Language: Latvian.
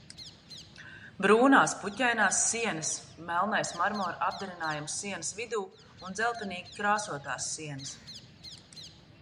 Brūnās puķainās sienas, melnais "marmora" apdarinājums sienas vidū un dzeltenīgi krāsotās sienas.